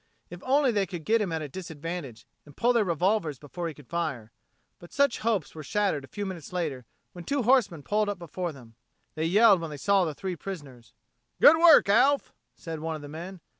If only they could get him at a disadvantage, and pull their revolvers before he could fire. But such hopes were shattered a few minutes later when two horsemen pulled up before them. They yelled when they saw the three prisoners. "Good work, Alf!" said one of the men.